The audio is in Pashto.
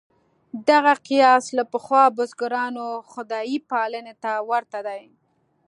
دغه قیاس له پخوا بزګرانو خدای پالنې ته ورته دی.